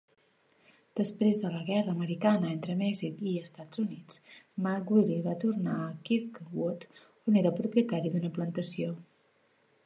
Després de la guerra americana entre Mèxic i Estat Units, McWillie va tornar a Kirkwood, on era el propietari d'una plantació.